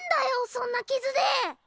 そんな傷で！